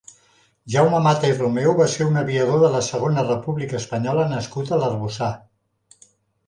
Jaume Mata i Romeu va ser un aviador de la Segona República Espanyola nascut a L'Arboçar.